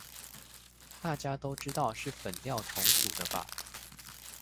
大家都知道是粉料重組的吧